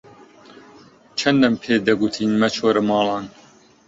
چەندەم پێ دەکوتی مەچۆرە ماڵان